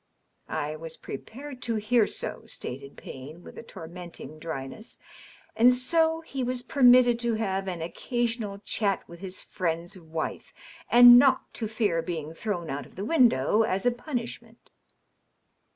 " I was prepared to hear so," stated Payne, with a tormenting dry ness. " And so he was permitted to have an occasional chat with his DOUGLAS DUANE. 643 friend's wife, and not to fear being thrown out of the window as a punishment.''